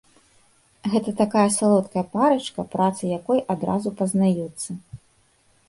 Гэта такая салодкая парачка, працы якой адразу пазнаюцца.